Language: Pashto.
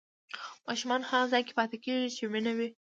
ماشومان هغه ځای کې پاتې کېږي چې مینه وي.